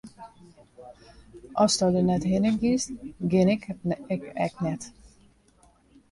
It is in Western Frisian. Asto der net hinne giest, gean ik ek net.